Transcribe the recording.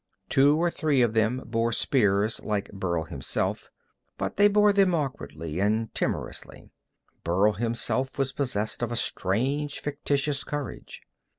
Two or three of them bore spears like Burl himself, but they bore them awkwardly and timorously. Burl himself was possessed by a strange, fictitious courage.